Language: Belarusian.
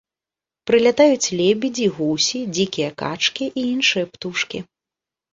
Прылятаюць лебедзі, гусі, дзікія качкі і іншыя птушкі.